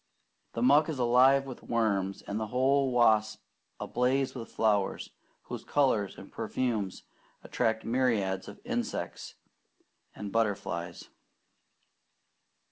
The muck is alive with worms; and the whole swamp ablaze with flowers, whose colours and perfumes attract myriads of insects and butterflies.